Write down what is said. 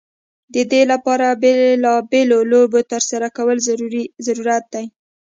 د دې لپاره بیلا بېلو لوبو ترسره کول ضرورت دی.